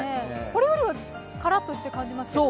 これよりはカラッとして感じますよね。